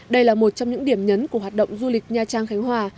đây là một trong những điểm nhấn của hoạt động du lịch nha trang khánh hòa